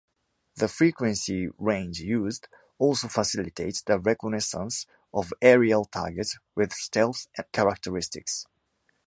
The frequency range used also facilitates the reconnaissance of aerial targets with stealth characteristics.